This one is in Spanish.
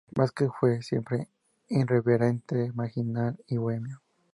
Vázquez fue siempre irreverente, marginal y bohemio.